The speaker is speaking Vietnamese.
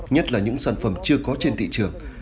nhất là những sản phẩm chưa có trên thị trường